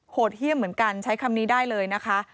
โหดเยี่ยมเหมือนกันใช้คำนี้ได้เลยนะคะ